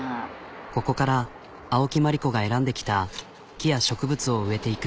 ここから青木真理子が選んできた木や植物を植えていく。